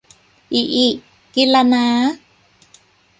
อิอิ กินละน้า